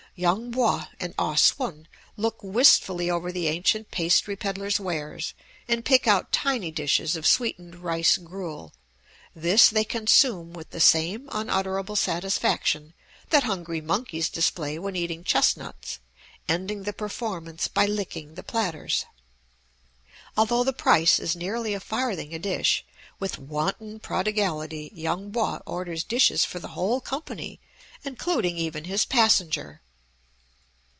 Yung Po and Ah Sum look wistfully over the ancient pastry ped ler's wares, and pick out tiny dishes of sweetened rice gruel; this they consume with the same unutterable satisfaction that hungry monkeys display when eating chestnuts, ending the performance by licking the platters. Although the price is nearly a farthing a dish, with wanton prodigality Yung Po orders dishes for the whole company, including even his passenger!